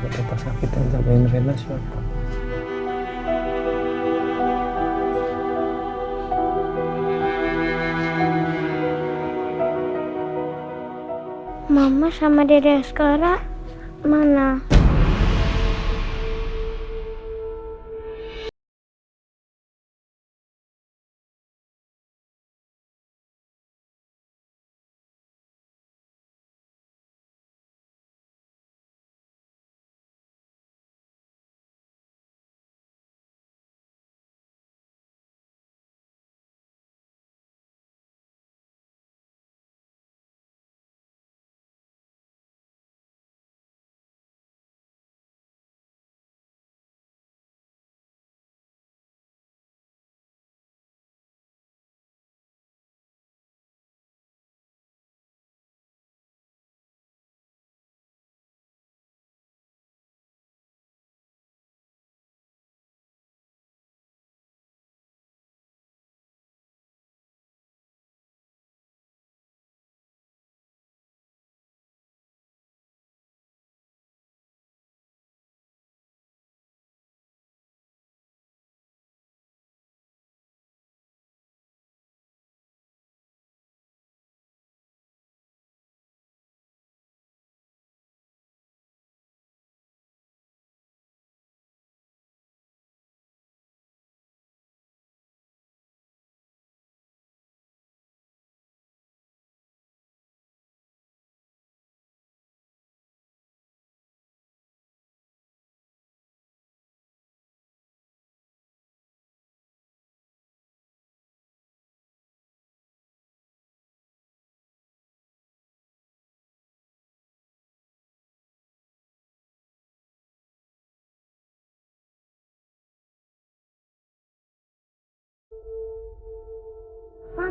kalau papa sakit yang jagain rena siapa